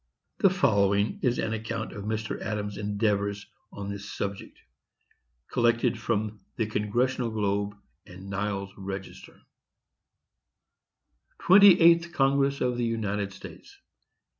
The following is an account of Mr. Adams' endeavors on this subject, collected from the Congressional Globe, and Niles's Register: TWENTY EIGHTH CONGRESS OF THE UNITED STATES.